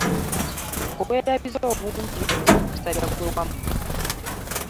Obwerabize obunji bukusabya gwe wamma .